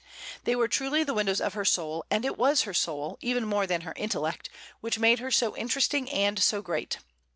They were truly the windows of her soul; and it was her soul, even more than her intellect, which made her so interesting and so great.